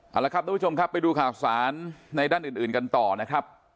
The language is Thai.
เอาละครับทุกผู้ชมครับไปดูข่าวสารในด้านอื่นกันต่อนะครับ